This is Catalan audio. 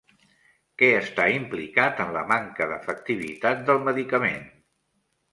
Què està implicat en la manca d'efectivitat del medicament?